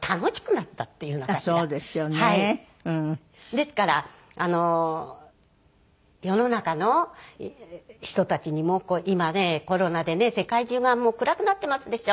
ですから世の中の人たちにも今ねコロナでね世界中が暗くなってますでしょ。